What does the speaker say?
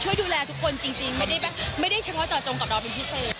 ช่วยดูแลทุกคนจริงไม่ได้แบบไม่ได้เฉพาะจะจงกับเราเป็นพี่เซอร์